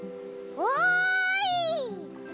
おい！